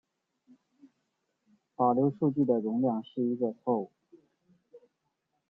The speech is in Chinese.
保留数据的容量是一个错误。